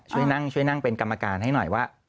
ช่วยนั่งเป็นกรรมการให้หน่อยว่า